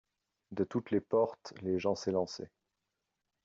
De toutes les portes les gens s'élançaient.